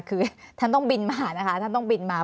คือท่านต้องบินมานะคะท่านต้องบินมา